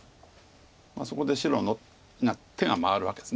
そこで白が手が回るわけです。